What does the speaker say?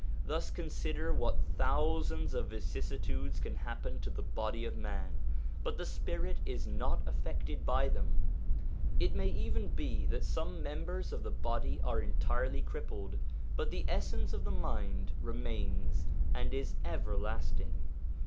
Thus consider what thousands of vicissitudes can happen to the body of man, but the spirit is not affected by them ; it may even be that some members of the body are entirely crippled, but the essence of the mind remains and is everlasting.